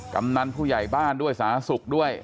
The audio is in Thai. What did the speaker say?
กำนันผู้ใหญ่บ้านด้วยสาธารณสุขด้วย